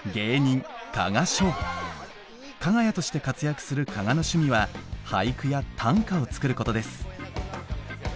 かが屋として活躍する加賀の趣味は俳句や短歌を作ることです。